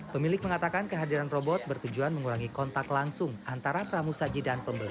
pemilik mengatakan kehadiran robot bertujuan mengurangi kontak langsung antara pramu saji dan pembeli